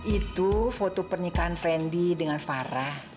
itu foto pernikahan fendi dengan farah